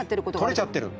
取れちゃってる。